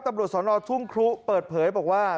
ตำรวจสนทุ่งครุเปิดเผยบอกว่า